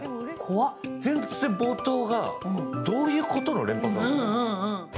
全然、冒頭が、どういうこと？の連発なんですよ。